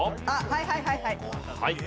はいはいはいはい。